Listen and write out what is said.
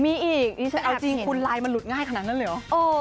มีอีกเอาจริงคุณไลน์มันหลุดง่ายขนาดนั้นเหรอ